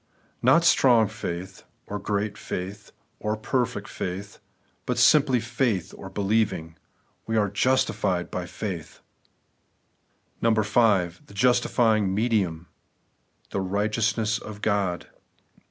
Not strong faith, or great faith, or perfect fidth, but simply faith, or believing. * We are justified by faith.' 6. The justifying medium;— The righteousness of God.